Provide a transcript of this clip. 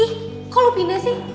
ih kok lo pindah sih